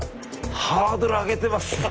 ハードル上げてます。